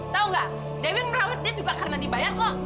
tahu gak dewi yang merawat dia juga karena dibayar kok